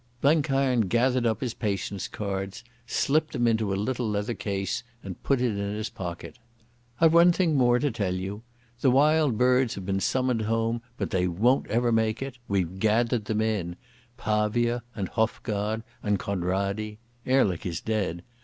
Blenkiron gathered up his Patience cards, slipped them into a little leather case and put it in his pocket. "I've one thing more to tell you. The Wild Birds have been summoned home, but they won't ever make it. We've gathered them in—Pavia, and Hofgaard, and Conradi. Ehrlich is dead.